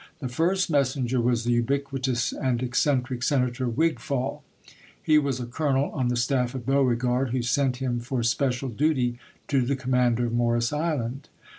The first messenger was the ubiquitous and eccentric Senator V/igfall. He was a colonel on the staff of Beauregard, who sent him for special duty to the commander of Morris Island.